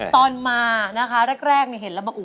ตอนมาเนี่ยเริ่มแรกเห็นแล้วบอก